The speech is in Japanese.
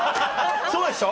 そうでしょ。